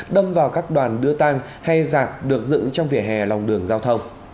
đâm vào các đoàn đưa tan hay giạc được dựng trong vỉa hè lòng đường giao thông